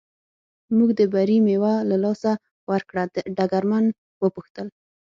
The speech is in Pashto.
موږ د بري مېوه له لاسه ورکړه، ډګرمن و پوښتل.